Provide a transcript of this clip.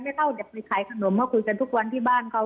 เท่าจะไปขายขนมเขาคุยกันทุกวันที่บ้านเขา